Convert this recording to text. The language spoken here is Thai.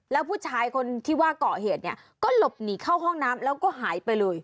แล้วผู้ชายคนที่ว่าเกาะเหตุเนี่ยก็หลบหนีเข้าห้องน้ำแล้วก็หายไปเลย